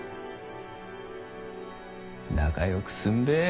仲よくすんべぇ。